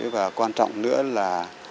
và quan trọng nữa là